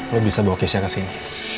lo bisa bawa kesha kesini